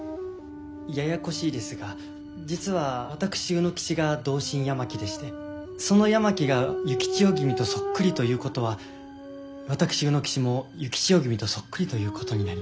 ややこしいですが実は私卯之吉が同心八巻でしてその八巻が幸千代君とそっくりということは私卯之吉も幸千代君とそっくりということになります。